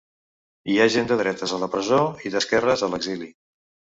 Hi ha gent de dretes a la presó i d'esquerres a l'exili.